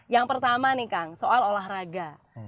yang pertama nih kang soal olahraga